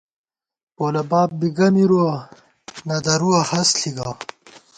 پولہ باب بی گہ مِرُوَہ، نہ درُوَہ ہست ݪی گہ